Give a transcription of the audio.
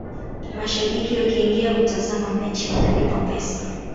mashabiki wakiingia kutazama mechi wanalipa pesa